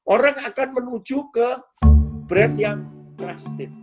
orang akan menuju ke brand yang drastis